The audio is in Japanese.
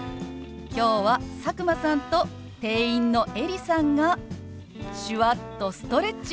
今日は佐久間さんと店員のエリさんが手話っとストレッチ！